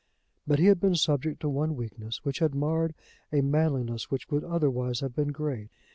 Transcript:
But he had been subject to one weakness, which had marred a manliness which would otherwise have been great.